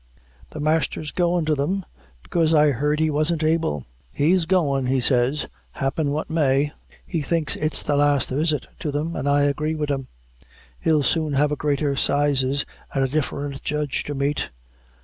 "The master's goin' to them? bekaise I heard he wasn't able." "He's goin', he says, happen what may; he thinks it's his last visit to them, and I agree wid him he'll soon have a greater 'sizes and a different judge to meet."